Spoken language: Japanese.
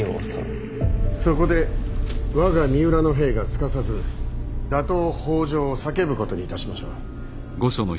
そこで我が三浦の兵がすかさず打倒北条を叫ぶことにいたしましょう。